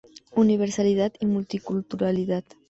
Universalidad y multiculturalidad.